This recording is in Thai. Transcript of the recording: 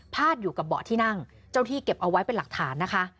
อยู่กับเบาะที่นั่งเจ้าที่เก็บเอาไว้เป็นหลักฐานนะคะ